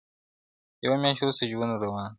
يوه مياشت وروسته ژوند روان دی,